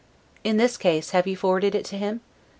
In this case, have you forwarded it to him?